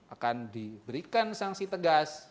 akan diberikan sanksi tegas